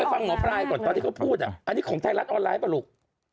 เราน้องไพร้ก่อนเขาพูดนี่คือของไทยรัฐออนไลน์ปะลูก